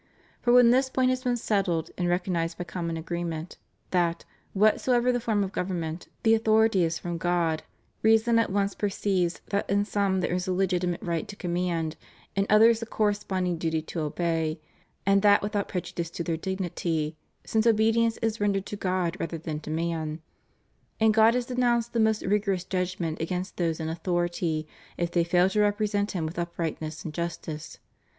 For, when this point has been settled and recognized by common agreement, that, whatsoever the form of government, the authority is from God, reason at once perceives that in some there is a legitimate right to command, in others the corresponding duty to obey, and that without prejudice to their dignity, since obedi ence is rendered to God rather than to man; and God has denounced the most rigorous judgment against those in authority, if they fail to represent Him with uprightness and justice.